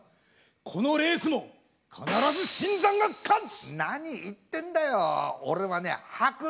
このレースも必ずシンザンが勝つ！！